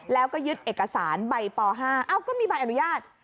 แล้วก็ยึดเอกสารใบป๕ก็มีใบอนุญาต